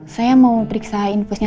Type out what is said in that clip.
saya mau periksa infonya